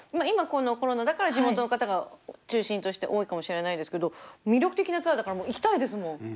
今このコロナだから地元の方が中心として多いかもしれないですけど魅力的なツアーだから行きたいですもん。